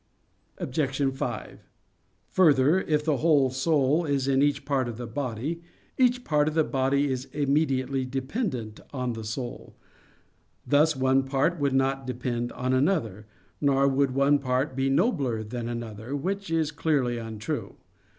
Obj. 5: Further, if the whole soul is in each part of the body, each part of the body is immediately dependent on the soul. Thus one part would not depend on another; nor would one part be nobler than another; which is clearly untrue.